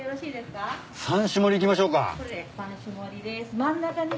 三種盛りいきましょうか。